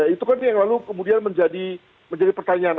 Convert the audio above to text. itu kan yang lalu kemudian menjadi pertanyaan